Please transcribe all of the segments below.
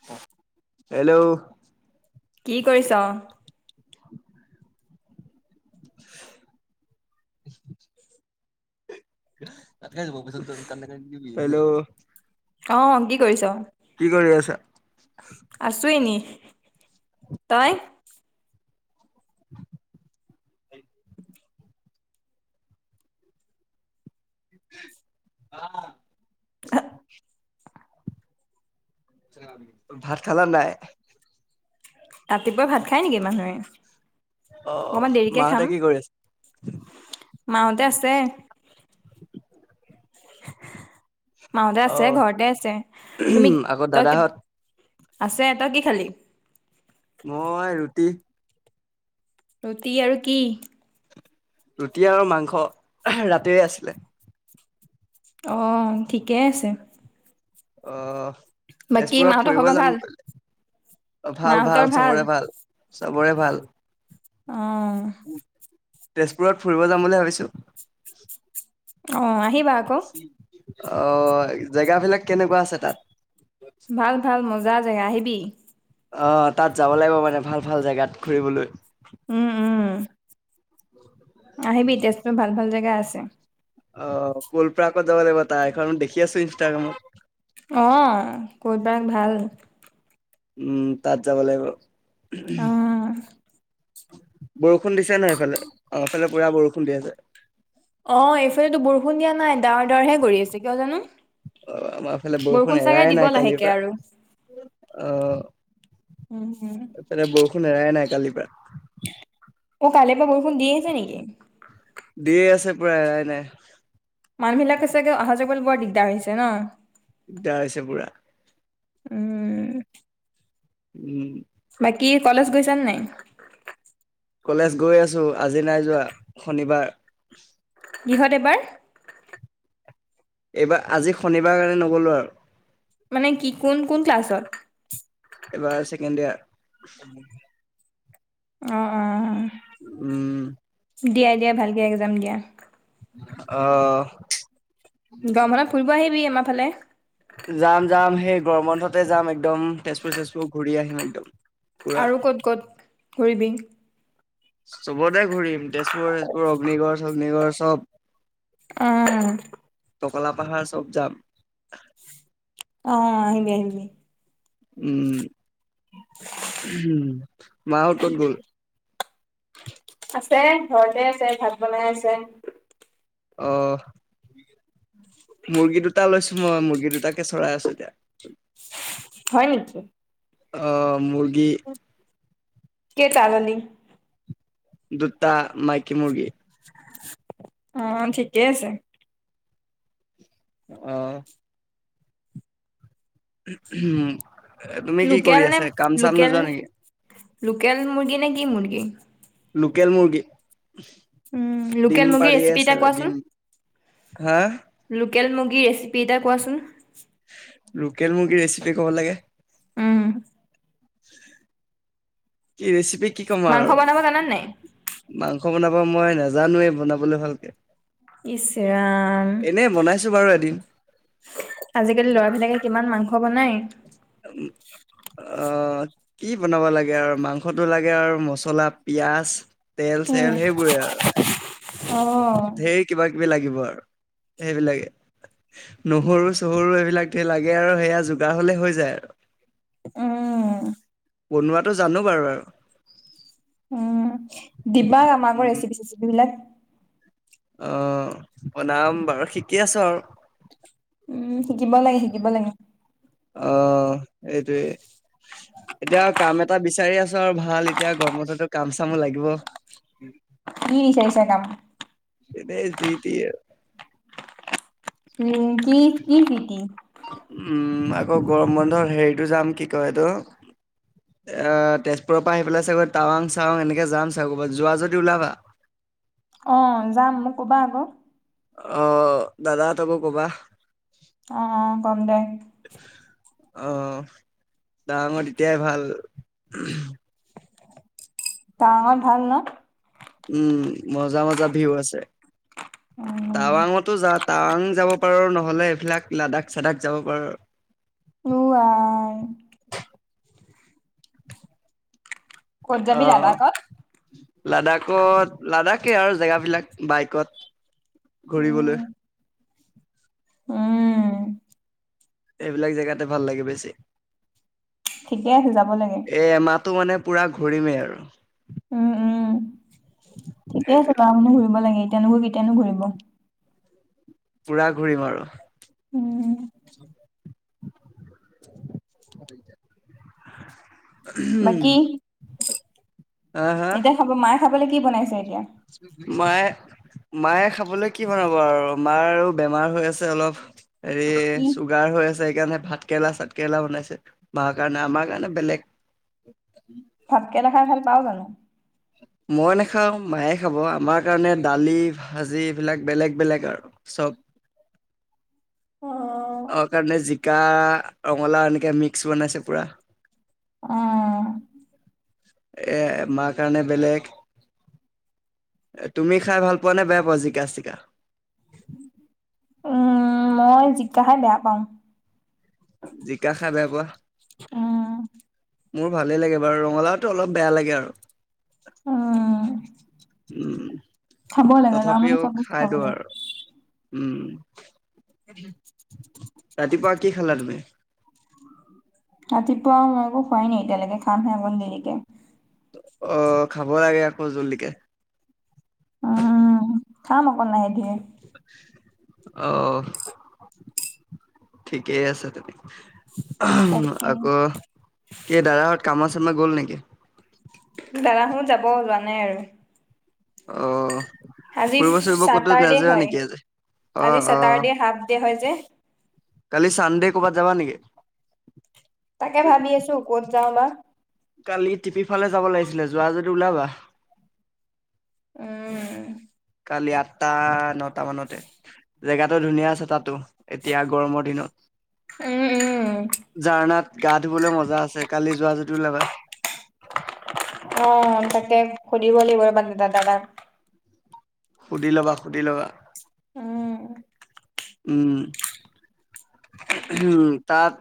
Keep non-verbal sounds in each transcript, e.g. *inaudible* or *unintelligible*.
*unintelligible* Hello? কি কৰিছ। *inaudible* *unintelligible* Hello? অ' কি কৰিছ। কি কৰি আছা। আছো এনে। তই? *inaudible* ভাত খালা নাই? ৰাতিপুৱাই ভাত খায় নেকি, মানুহে। অকমান অ' দেৰিকে খাম। মাহঁতে কি কৰি আছে। মাহঁতে আছে। মাহঁতে আছে, অ', ঘৰতে আছে। তুমি, আকৌ তই দাদাহঁত? আছে, তই কি খালি? মই ৰুটি। ৰুটি আৰু কি। ৰুটি আৰু মাংস ৰাতিৰে আছিলে। অ' ঠিকেই আছে। অ'। বাকী তেজপুৰত মাহঁতৰ ফুৰিব খবৰ যাম ভাল? বুলি অ' ভাল-ভাল চবৰে ভাল। চবৰে ভাল। অ'! তেজপুৰত ফুৰিব যাম বুলি ভাবিছো। অ' আহিবা আকৌ। অ'! জেগাবিলাক কেনেকুৱা আছে, তাত? ভাল- ভাল মজা জেগা আহিবি। অ'! তাত যাব লাগিব মানে, ভাল-ভাল জেগাত ঘুৰিবলৈ। উম, উম। আহিবি, তেজপুৰ ভাল-ভাল জেগা আছে। অ' ক'লপাৰ্কত যাব লাগিব তাৰ এখন দেখি আছো ইনষ্টাগ্ৰামত। অ'! *unintelligible* ভাল। উম তাত যাব লাগিব। অ'! বৰষুণ দিছে নাই সেইফালে? অ'! এইফালে, পূৰা বৰষুণ দি আছে। অ' এইফালেতো বৰষুণ দিয়া নাই ডাৱৰ ডাৱৰহে কৰি আছে কিয় জানো। অহ, আমাৰ ফালে বৰষুণ চাগে এৰাই দিব নাই কালিৰ লাহেকে আৰু পৰা। অহ, উম উম বৰষুণ এৰাই নাই কালিৰ পৰা। অ'! কালি পৰা বৰষুণ দি আছে নেকি? দিয়ে আছে পুৰা এৰা ই নাই। মানু্হ বিলাকে চাগে, অহা-যোৱা কৰিবলে বৰ দিগদাৰ হৈছে ন'? দিগদাৰ হৈছে পূৰা। উম। উম। বাকী কলেজ গৈছা নাই। কলেজ গৈ আছো আজি নাই যোৱা শনিবাৰ। কিহত এইবাৰ। এইবাৰ আজি শনিবাৰ কাৰণে নগলোঁ আৰু। মানে কি কোন কোন ক্লাছত। এইবাৰ ছেকেণ্ড ইয়াৰ। অ' অ'! উম দিয়া-দিয়া, ভালকে একজাম দিয়া। আহ। গৰম বন্ধত ফুৰিব আহিবি আমাৰ ফালে। যাম, যাম সেই গৰম বন্ধ তে যাম একদম। তেজপুৰ ঘূৰি আহিম একদম। পুৰা। আৰু ক'ত, ক'ত ঘুৰিবি। চবতে ঘূৰিম তেজপুৰ ছেজপুৰ অগ্নিগড় চগ্নিগড় চব। অহ। টকলা পাহাৰ ছাব যাম। অহ, আহিবি, আহিবি উম, মাহত ক'ত গ'ল। আছে ঘৰতে আছে ভাত বনাই আছে। অহ। মুৰ্গী দুটা লৈছো মই মুৰ্গী দুটাকে চৰাই আছো এতিয়া। হয়, নেকি। অহ মুৰ্গী। কেইটা আনিলি। দু্তা মাইকি মুৰ্গী। অ, ঠিকেই আছে। অহ। উম, উম তুমি কি কৰি লোকেল নে আছা। কাম চাম লোকেল নোযোৱা নে নেকি। লোকেল মুৰ্গী নে কি মুৰ্গী। লোকেল মুৰ্গী। উম, লোকেল ডিম মুৰ্গীৰ পাৰিয়ে ৰেচিপি এটা আছে কোৱাচোন, ডিম। হা লোকেল মুৰ্গীৰ ৰেচিপি এটা কোৱাচোন। লোকেল মুৰ্গীৰ ৰেচিপি ক'ব লাগে।। উম, কি ৰেচিপি কি ক'ম মাংস আৰু বনাব জানা নাই? মাংস। মাংস বনাব মই নাজানোৱে বনাবলৈ ভালকে। ইচ ৰাম এনেই বনাইছো বাৰু এদিন। আজিকালি ল'ৰাবিলাকে কিমান মাংস বনাই। অহ, কি বনাব লাগে আৰু মাংসতো লাগে আৰু মছলা পিয়াজ তেল চেল সেইবোৰে আৰু। ঢেৰ অহ, কিবা লাগিব আৰু সেইবিলাকে। নহৰু চহৰু এইবিলাক লাগে আৰু সেয়া যোগাৰ হলে হৈ যায় আৰু। উম, বনোৱাটো জানো বাৰু আৰু উম, দিবা আমাকো উম ৰেচিপি চেচিপ বিলাক। অ', প্ৰনাম বাৰু শিকি আছো আৰু। উম, শিকিব লাগে শিকিব লাগে। অ', এইটোৱে। এতিয়া কাম এটা বিচা বিচাৰি আছো আৰু ভাল এতিয়া গৰমঠো কাম চামো লাগিব। কি বিচাৰিচা দাম। এনেই জিতিয়ে। উম, কি কি *unintelligible* উম, আকৌ গৰম বন্ধৰ হেৰিতটো যাম কি কয় এইটো। আহ তেজপুৰৰ পৰা আহি পেলাই চাগৈ টাৱাং চাৱাং এনেকে যাম চাগ যোৱা যদি ওলাবা। *unintelligible* অ', যাম মোক ক'বা আকৌ। অ', দাদা হতকো ক'বা। অ', অ', কম দে। অ, টাৱাংত এতিয়াই ভাল টাৱাং ত ভাল ন? উম, মজা-মজা ভিউ আছে। উম, টাৱাঙতো যা টাৱাং যাব পাৰো নহলে এইবিলাক লাডাখ চাডাক যাব পাৰো। উ, আই। *unintelligible* ক'ত যাবি অ', লাডাখত? লাডাখ লাাডাখ ঠিকে আৰু জেগাবিলাক বাইকত উম, ঘূৰিবলৈ। উম। এইবিলাক জেগাতে ভাল লাগে বেছি। ঠিকে আছে যাব লাগে। টো মানে পুৰা ঘূৰিমেই আৰু। উম, উম, ঠিকে সেইটোৱে আছে বাৰু *unintelligible* ঘুৰিব লাগে। *unintelligible* কেতিয়ানো ঘূৰিব। পুৰা ঘূৰিম আৰু। উম। *unintelligible* বাকী, এতিয়া খাব মা খাবলে কি বনাইছে এতিয়া? মায়ে-মায়ে খাবলে কি বনাব আৰু মাৰ আৰু বেমাৰ হৈ আছে অলপ। হেৰি কি চুগাৰ হৈ আছে সেইকাৰণে ভাত কেৰেলা চাত কেৰেলা বনাইছে মাৰ কাৰণে আমাৰ কাৰণে বেলেগ। ভাতকেৰেলা খাই ভাল পাও জানো? মই নাখাও মায়ে খাব আমাৰ কাৰণে দালি, ভাজি, এইবিলাক বেলেগ বেলেগ আৰু। চব। উম, অ কাৰণে জিকা, ৰঙলা এনেকৈ মিক্স বনাইছে পুৰা। অ। এ মাৰ কাৰণে বেলেগ তুমি খাই ভাল পোৱা নে বেয়া পোৱা জিকা-চিকা? উম, মই জিকা খাই বেয়া পাওঁ। জিকা খাই বেয়া পোৱা। উম, মোৰ ভালেই লাগে বাৰু ৰঙালাওটো অলপ বেয়া লাগে আৰু। উম, উম, খাব লাগে ল'ৰা মানুহ তথাপিও চব বস্তু খাই খাব দিওঁ লাগে। আৰু। উম, ৰাতিপুৱা কি খালা তুমি? ৰাতিপুৱা, মই একো খোৱাই নাই এতিয়ালৈকে খাম হে আকন দেৰিকে। অ', খাব লাগে আকৌ জল্দিকে। উম, খাম অকণ লাহে ধিৰে। অহ ঠিকে আছে তেনে তাকে আকৌ কি দাদাহত কাম চামে গ'ল নেকি দাদা হেনো যাব যোৱা নাই আৰু অহ আজি ফুৰিব চুৰিব ক'তো চাটাৰডে নাযা হয়। নেকি আজি অ আজি অ চেটাৰডে হাফ ডে হয় যে কালি চানডে কৰ'বাত যাবা নেকি তাকে ভাবি আছো ক'ত যাও বা কালি টিপিফালে যাব লাগিছিলে যোৱা যদি ওলাবা উম কালি আঠটা নটা মানতে জেগাটো ধুনীয়া আছে তাতো এতিয়া গৰমৰ দিনত উম জাৰনাত গা ধুবলৈ মজা আছে কালি যোৱা যদি ওলাবা অ তাকে সুধিব লাগিব দাদাক সুধি ল'বা সুধি ল'বা উম উম তাত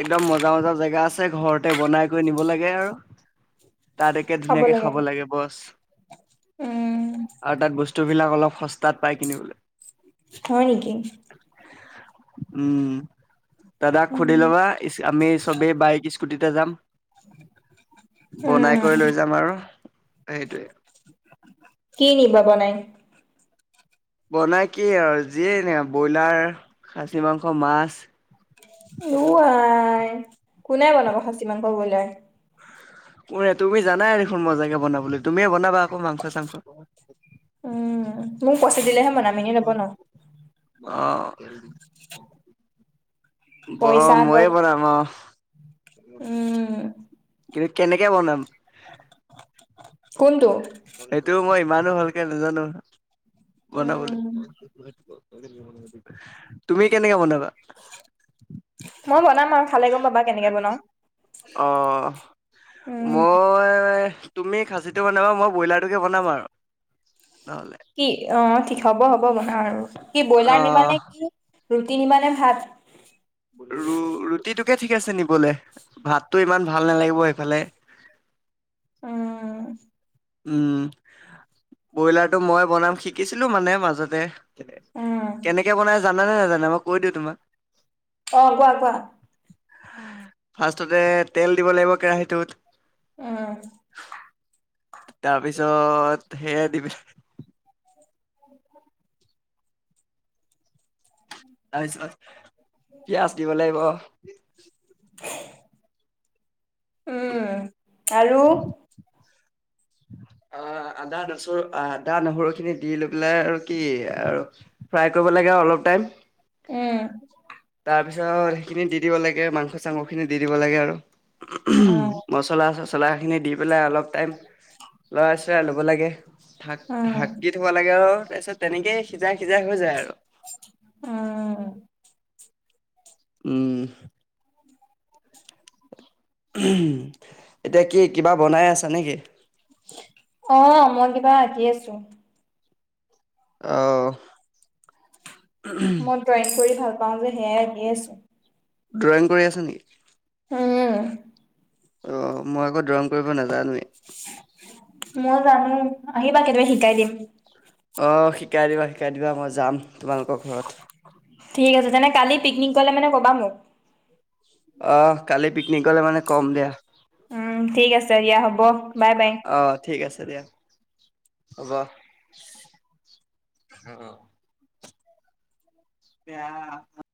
একদম মজা মজা জেগা আছে ঘৰতে বনাই কৰি নিব লাগে আৰু তাত একে ধুনীয়াকে খাব লাগে বছ উম আৰু তাত বস্তু বস্তুবিলাক অলপ সস্তাত পাই কিনিবলৈ হয় নেকি উম দাদাক সুধি উম ল'বা আমি চবেই বাইক স্কুটিতে যাম উম বনাই কৰি লৈ যাম আৰু সেইটোৱে কি নিব বনাই বনাই কি আৰু যিয়ে নিয় ব্ৰইলাৰ খাচী মাংস মাছ ও আই কোনে বনাব খাচী মাংস ব্ৰইলাৰ তুমি জানাই দেখোন মজাকে বনাব তুমিয়ে বনাবা কমংখ চংখ পইচি দিলেহে মন মিনি নব ন? অ, ব পইচা ময়ে আগত বনাম অ উম, কিন্তু কেনেকে বনাম, কোনটো? সেইটো মই ইমানো ভালকে নাজানো বনাবলৈ, উম তুমি কেনেকে বনাবা, ভালে গম পাবা কেনেকে বনাও, অ উম মই, তুমি খাচীটো বনাবা মই ব্ৰইলাৰটোকে বনাম আৰু, নহ'লে কি অ ঠিক হব হ'ব বনা আৰু কি ব্ৰইলাৰ অ নিবাানে কি? ৰুটি নিমানে ভাত? ব ৰুটিটো তাকে ঠিক আছে নিবলৈ ভাতটো ইমান ভাল নালাগিব সিফালে, উম, উম ব্ৰইলাৰটো মই বনাম শিকিছিলো মানে মাজতে, উম কেনেকে বনাই জানা নে নাজানে মই কৈ দিওঁ তোমাক। অ কোৱা কোৱা ফাৰ্ষটতে তেল দিব লাগিব কেৰাহীটোত উম, তাৰপিছত সেয়া দিব, *inaudible* তাৰপিছত পিঁয়াজ দিব লাগিব উম আৰু *inaudible* অ আদা নচৰু আদা নহৰু খিনি দি লৈ পেলাই আৰু কি আৰু ফ্ৰাই কৰিব লাগে আৰু অলপ টাইম উম। তাৰ পিছত সেইখিনি দি দিব লাগে মাংস চাংস খিনি দি দিব লাগে আৰু উম মচলা চচলা মচলাখিনি দি পেলাই অলপ টাইম লৰাই চৰাই ল'ব লাগে ঢাকি উম ঢাকি থব লাগে আৰু তাৰপিছত তেনেকেই সিজাই সিজাই হৈ যায়। আৰু উম উম এতিয়া কি কিবা বনাই আছা নেকি অ মই কিবা আঁকি আছো অ মই ড্ৰয়িং কৰি ভাল পাও যে সেয়াই আঁকি আছো। ড্ৰয়িং কৰি আছে নেকি? উম অ মই আকৌ ড্ৰয়িং কৰিব নাজানোৱেই। মই জানো আহিবা কেতিয়াবা শিকাই দিম আহ শিকাই দিবা শিকাই দিবা মই যাম তোমালোকৰ ঘৰত ঠিক আছে তেনে কালি পিকনিক গলে মানে ক'বা মোক অ' কালি পিকনিক গলে মানে কম দিয়া উম ঠিক আছে দিয়া হ'ব বাই বাই অ', *unintelligible* দিয়া হব অ অ বেয়া